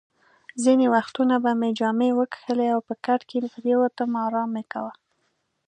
ځینې وختونه به مې جامې وکښلې او په کټ کې پرېوتم، ارام مې کاوه.